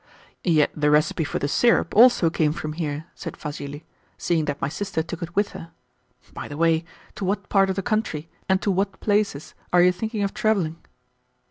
"Yet the recipe for the syrup also came from here," said Vassili, "seeing that my sister took it with her. By the way, to what part of the country, and to what places, are you thinking of travelling?"